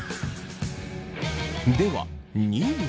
では２位は。